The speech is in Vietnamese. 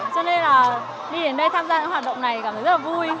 cho nên là đi đến đây tham gia những hoạt động này cảm thấy rất là vui